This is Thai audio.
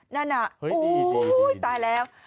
นั่นอ่ะตายแล้ว